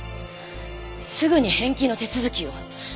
すぐに返金の手続きを。